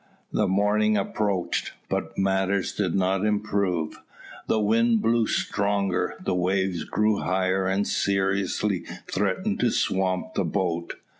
The morning approached, but matters did not improve; the wind blew stronger; the waves grew higher and seriously threatened to swamp the boat.